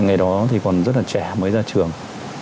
ngày đó thì còn rất là trẻ mới ra trường